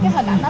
cái hình ảnh đó